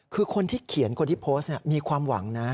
คือคนที่เขียนคนที่โพสต์มีความหวังนะ